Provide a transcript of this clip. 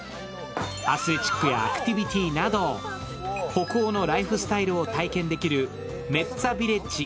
アスレチックやアクティビティーなど、北欧のライフスタイルを体験できるＭｅｔｓａｖｉｌｌａｇｅ。